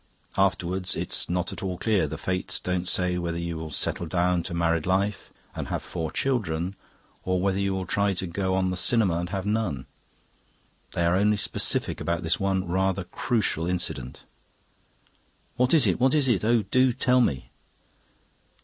"Afterwards, it's not at all clear. The fates don't say whether you will settle down to married life and have four children or whether you will try to go on the cinema and have none. They are only specific about this one rather crucial incident." "What is it? What is it? Oh, do tell me!"